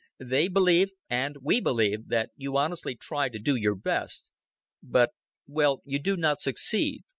They believe and we believe that you honestly try to do your best; but, well, you do not succeed."